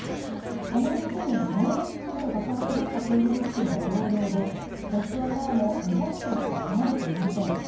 同じ日にもう１か所爆発があった空軍基地も同じで、モスクワからも２００ｋｍしか離れていません。